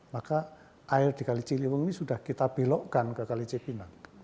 maka air di kali ciliwung ini sudah kita belokkan ke kali cipinang